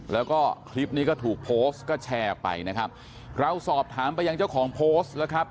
แล้วก็คลิปนี้ก็ถูกโพสต์ก็แชร์ไปนะครับเราสอบถามไปยังเจ้าของโพสต์แล้วครับ